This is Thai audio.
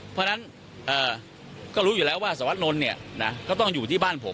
เพราะฉะนั้นก็รู้อยู่แล้วว่าสวัสดนนท์เนี่ยนะก็ต้องอยู่ที่บ้านผม